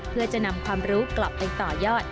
เพื่อจะนำความรู้กลับไปต่อยอด